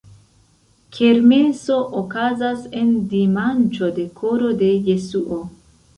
Kermeso okazas en dimanĉo de Koro de Jesuo.